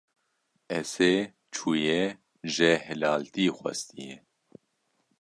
Esê çûye jê helaltî xwestiye